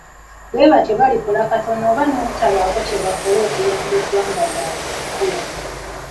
Bwe batyo balikola katono oba n'obutabaako kye bakola okuyamba eggwanga lyabwe okukula.